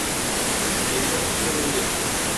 এইসবের থেকে বেরিয়ে এসো।